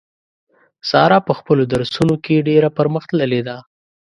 ساره په خپلو درسو نو کې ډېره پر مخ تللې ده.